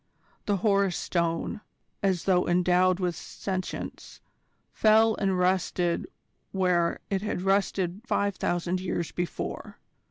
The Horus Stone, as though endowed with sentience, fell and rested where it had rested five thousand years before.